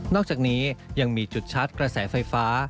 อกจากนี้ยังมีจุดชาร์จกระแสไฟฟ้า